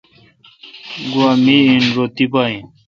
گوا می این رو تی پا این۔